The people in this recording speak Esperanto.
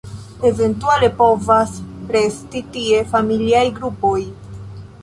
Eventuale povas resti tie familiaj grupoj.